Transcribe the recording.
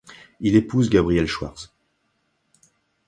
Il épouse Gabrielle Schwarz.